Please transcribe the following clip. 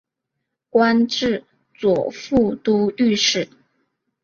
官至左副都御史。